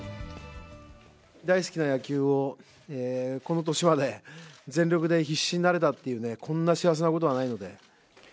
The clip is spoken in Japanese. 大好きな野球をこの年まで全力で必死になれたっていうね、こんな幸せなことはないので。